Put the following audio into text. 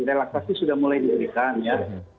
relaksasi sudah mulai diberikan ya